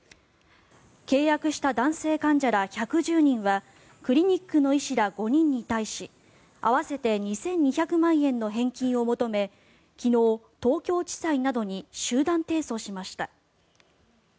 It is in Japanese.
契約した男性患者ら１１０人はクリニックの医師ら５人に対し合わせて２２００万円の返金を求め昨日、東京地裁などに集団提訴しました。